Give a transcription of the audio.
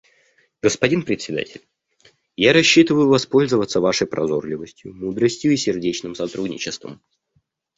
Господин Председатель, я рассчитываю воспользоваться Вашей прозорливостью, мудростью и сердечным сотрудничеством.